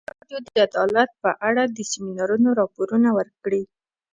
ازادي راډیو د عدالت په اړه د سیمینارونو راپورونه ورکړي.